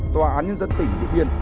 tòa án nhân dân tỉnh điện biên